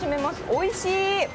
おいしい！